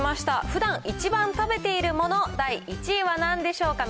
ふだん一番食べているもの、第１位はなんでしょうか。